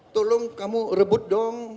tolong kamu rebut dong